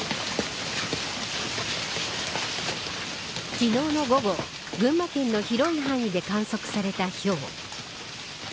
昨日の午後群馬県の広い範囲で観測されたひょう。